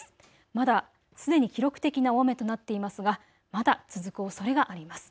まだすでに記録的な大雨となっていますが、まだ続くおそれがあります。